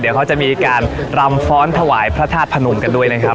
เดี๋ยวเขาจะมีการรำฟ้อนถวายพระธาตุพนมกันด้วยนะครับ